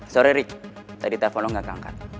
sorry rick tadi telfon lo gak keangkat